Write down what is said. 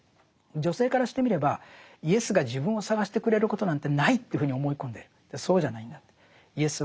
女性からしてみればイエスが自分を探してくれることなんてないというふうに思い込んでる。